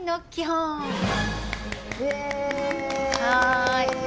はい。